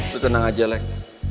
lo tenang aja lek